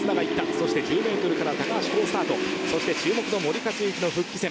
そして１０メートルからたかはし好スタート、そして注目の森且行の復帰戦。